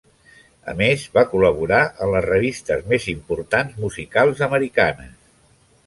A més, va col·laborar en les revistes més importants musicals americanes.